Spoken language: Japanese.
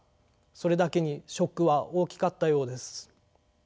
それだけにショックは大きかったようです。